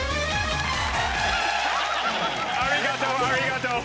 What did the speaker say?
ありがとうありがとう。